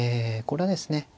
これはですね